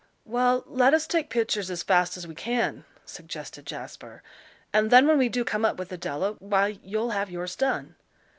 "Well, let us take pictures as fast as we can," suggested Jasper, "and then when we do come up with Adela, why you'll have yours done."